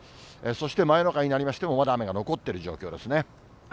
そして、真夜中になりましても、まだ雨が残っている状況ですね。